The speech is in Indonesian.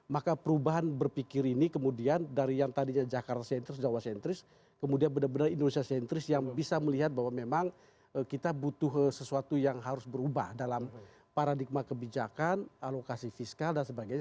maka perubahan berpikir ini kemudian dari yang tadinya jakarta centris jawa sentris kemudian benar benar indonesia sentris yang bisa melihat bahwa memang kita butuh sesuatu yang harus berubah dalam paradigma kebijakan alokasi fiskal dan sebagainya